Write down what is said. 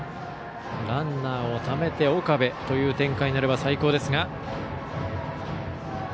ランナーをためて岡部という展開になれば最高ですが。